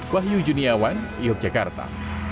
dari jurniawan yogyakarta